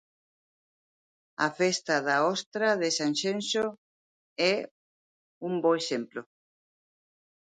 A Festa da Ostra de Sanxenxo é un bo exemplo.